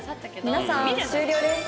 「皆さん終了です。